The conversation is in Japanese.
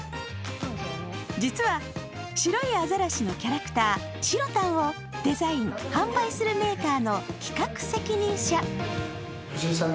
実は白いアザラシのキャラクター、しろたんをデザイン、販売するメーカーの企画責任者。